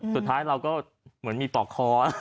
สุดท้ายเราก็เหมือนมีปอกคอ